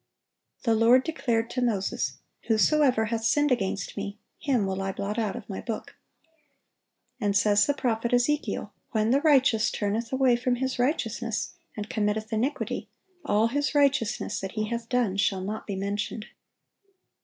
The Lord declared to Moses, "Whosoever hath sinned against Me, him will I blot out of My book."(855) And says the prophet Ezekiel, "When the righteous turneth away from his righteousness, and committeth iniquity, ... all his righteousness that he hath done shall not be mentioned."